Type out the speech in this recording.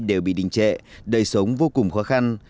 đều bị đình trệ đời sống vô cùng khó khăn